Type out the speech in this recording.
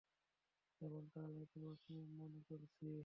যেমটা আমি তোমাকে মনে করছি।